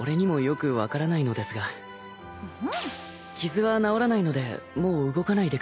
傷は治らないのでもう動かないでください。